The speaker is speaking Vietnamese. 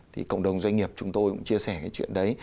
thì cộng đồng doanh nghiệp chúng tôi cũng chia sẻ cái chuyện đấy